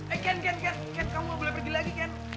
eh ken ken ken ken kamu gak boleh pergi lagi ken